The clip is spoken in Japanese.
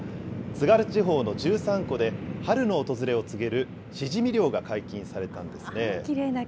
津軽地方の十三湖で春の訪れを告げるシジミ漁が解禁されたんです